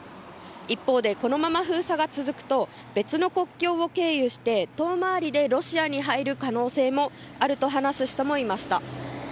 一方で、このまま封鎖が続くと別の国境を経由して遠回りでロシアに入る可能性もあると話す人もいました。